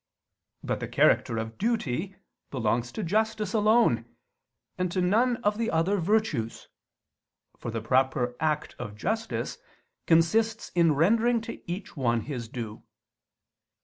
But the character of duty belongs to justice alone and to none of the other virtues, for the proper act of justice consists in rendering to each one his due.